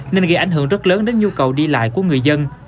nên gây ảnh hưởng rất lớn đến nhu cầu đi lại của người dân